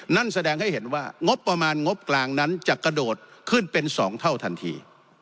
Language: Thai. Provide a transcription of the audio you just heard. นั่นแสดงให้เห็นว่างบประมาณงบกลางนั้นจะกระโดดขึ้นเป็น๒เท่าทันที